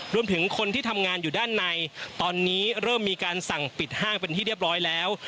รวมถึงคนที่ทำงานอยู่ด้านในตอนนี้เริ่มมีการสั่งปิดห้างเป็นที่เรียบร้อยแล้ว